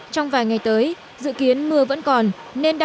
trong vài ngày tới dự kiến mưa vẫn còn